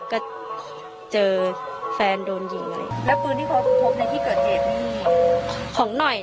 ก็เจอแฟนโดนยิงเลยแล้วปืนที่เขาไปพบในที่เกิดเหตุนี่ของหน่อย